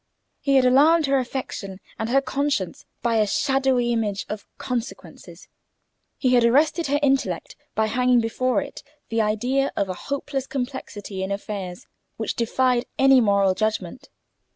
He had alarmed her affection and her conscience by the shadowy image of consequences; he had arrested her intellect by hanging before it the idea of a hopeless complexity in affairs which defied any moral judgment.